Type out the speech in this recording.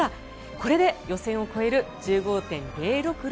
これで予選を超える１５．０６６